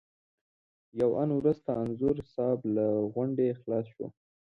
یو آن وروسته انځور صاحب له غونډې خلاص شو.